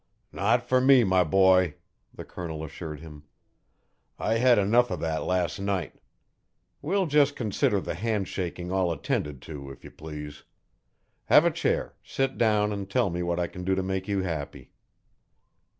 "Not for me, my boy," the Colonel assured him. "I had enough of that last night. We'll just consider the hand shaking all attended to, if you please. Have a chair; sit down and tell me what I can do to make you happy."